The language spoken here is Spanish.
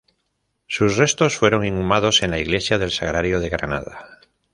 Sus restos fueron inhumados en la iglesia del Sagrario de Granada.